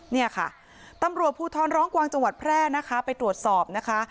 เนี่ยค่ะตำรวจภูทรร้องกวางจังหวัดแพร่นะคะไปตรวจสอบนะคะ